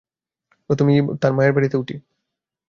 প্রথমে ইভ আর তার মায়ের বাড়িতে উঠি।